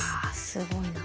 すごいな。